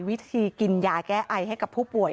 วิธีกินยาแก้ไอให้กับผู้ป่วย